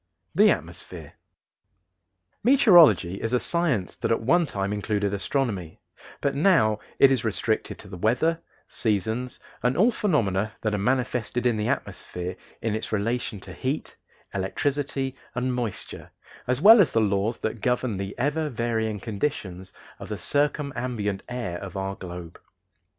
THE ATMOSPHERE. Meteorology is a science that at one time included astronomy, but now it is restricted to the weather, seasons, and all phenomena that are manifested in the atmosphere in its relation to heat, electricity, and moisture, as well as the laws that govern the ever varying conditions of the circumambient air of our globe.